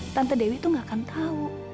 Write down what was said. tante dewi tuh gak akan tau